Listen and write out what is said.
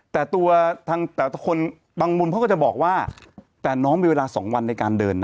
แต่ตัวบางมุมเขาก็จะบอกว่าแต่น้องมีเวลา๒วันในการเดินนะ